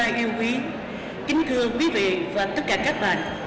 yêu quý kính thưa quý vị và tất cả các bạn